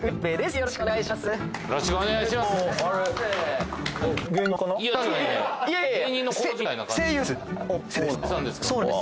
よろしくお願いします。